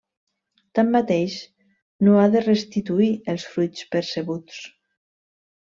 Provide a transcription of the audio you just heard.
Tanmateix, no ha de restituir els fruits percebuts.